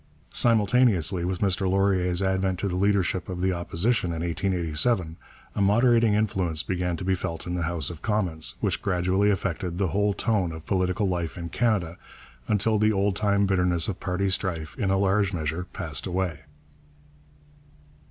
Simultaneously with Mr Laurier's advent to the leadership of the Opposition in 1887, a moderating influence began to be felt in the House of Commons, which gradually affected the whole tone of political life in Canada, until the old time bitterness of party strife in a large measure passed away.